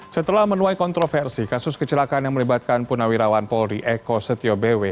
setelah menuai kontroversi kasus kecelakaan yang melibatkan punawirawan polri eko setio bw